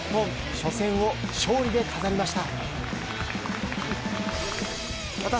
初戦を勝利で飾りました。